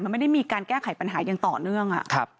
มันไม่ได้มีการแก้ไขปัญหาอย่างต่อเนื่อง